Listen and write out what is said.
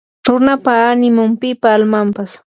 runapa animun; pipa almanpas